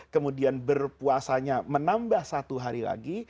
kemudian berpuasanya menambah satu hari lagi